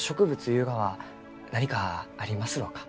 ゆうがは何かありますろうか？